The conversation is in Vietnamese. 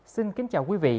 xin kính chào quý vị